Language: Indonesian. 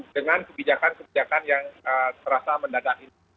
dengan kebijakan kebijakan yang terasa mendadak ini